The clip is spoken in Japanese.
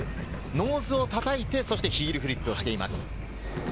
ノーズを叩いてヒールフリップをしています。